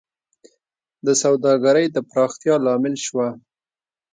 د سوداګرۍ د پراختیا لامل شوه